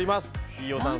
飯尾さん